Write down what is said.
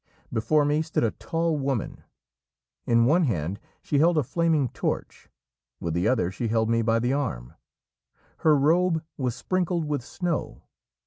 Before me stood a tall woman; in one hand she held a flaming torch, with the other she held me by the arm. Her robe was sprinkled with snow.